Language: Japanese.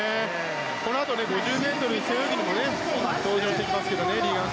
このあと５０ｍ背泳ぎにも登場してきますが。